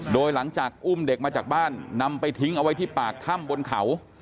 โดยหลังจากอุ้มเด็กมาจากบ้านนำไปทิ้งเอาไว้ที่ปากถ้ำบนเขา